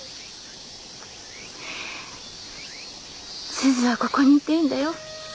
すずはここにいていいんだよ。